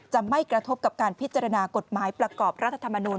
จะไม่กระทบกับการพิจารณากฎหมายประกอบรัฐธรรมนูล